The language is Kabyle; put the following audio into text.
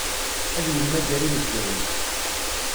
Ad yemmager inebgawen.